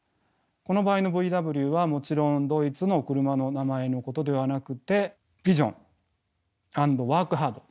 この場合のＶＷはもちろんドイツの車の名前のことではなくてビジョン＆ワークハード。